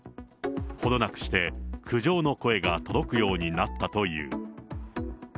ほどなくして、苦情の声が届くようになったという。